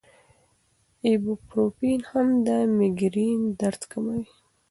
ایبوپروفین هم د مېګرین درد کموي.